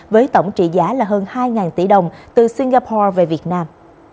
với tổng trị giá là hơn hai tỷ đồng từ singapore về việt nam